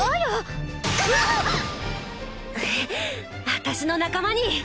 私の仲間に。